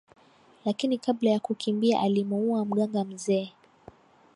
lakini kabla ya kukimbia alimuua mganga mzee